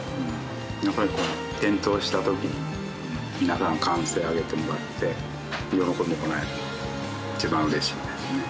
やっぱりこう点灯した時に皆さん歓声を上げてもらって喜んでもらえるのが一番嬉しいですね。